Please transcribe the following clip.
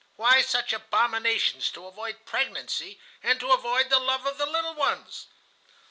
Why such abominations to avoid pregnancy, and to avoid the love of the little ones?